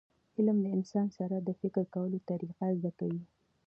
علم د انسان سره د فکر کولو طریقه زده کوي.